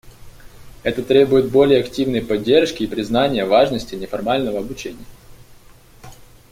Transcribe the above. Это требует более активной поддержки и признания важности неформального обучения.